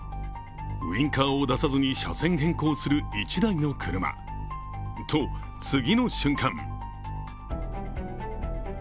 ウインカーを出さずに車線変更する１台の車と、次の瞬間！